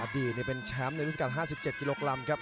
อดีตเป็นแชมป์ในวิทยาลัย๕๗กิโลกรัมครับ